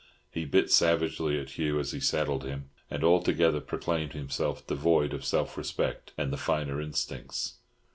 He bit savagely at Hugh as he saddled him, and altogether proclaimed himself devoid of self respect and the finer instincts.